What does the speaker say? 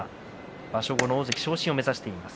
場所後の大関昇進を目指しています。